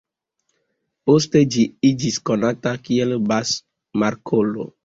Poste ĝi iĝis konata kiel Bass-Markolo.